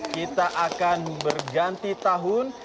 kita akan berganti tahun